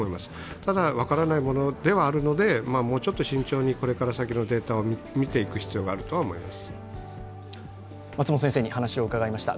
ただ分からないものではあるのでもう少し慎重にこれから先のデータを見ていく必要はあると思います。